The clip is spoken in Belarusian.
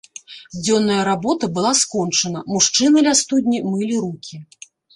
Дзённая работа была скончана, мужчыны ля студні мылі рукі.